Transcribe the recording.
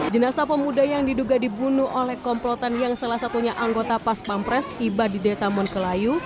jenasa pemuda yang diduga dibunuh oleh komplotan yang salah satunya anggota pas pampres tiba di desa monkelayu